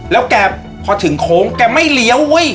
แล้วแกพอถึงโค้งแกไม่เลี้ยวเว้ย